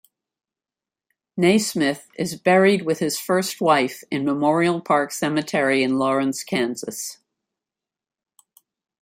Naismith is buried with his first wife in Memorial Park Cemetery in Lawrence, Kansas.